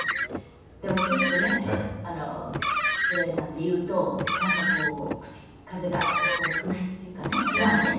でもちょっとね古谷さんっていうとなんか口数が少ないっていうかね普段ね。